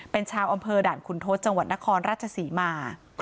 เป็นชาวอำเภอด่านขุนทศจังหวัดนครราชศรีมา